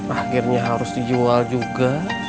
akhirnya harus dijual juga